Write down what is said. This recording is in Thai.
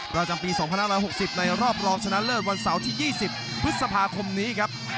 ประจำปี๒๕๖๐ในรอบรองชนะเลิศวันเสาร์ที่๒๐พฤษภาคมนี้ครับ